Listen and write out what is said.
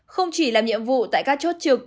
không chỉ làm nhiệm vụ tại các chốt trực